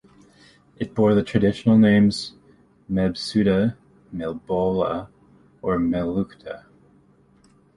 It bore the traditional names "Mebsuta", "Melboula" or "Melucta".